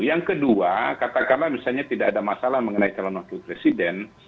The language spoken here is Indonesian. yang kedua katakanlah misalnya tidak ada masalah mengenai calon wakil presiden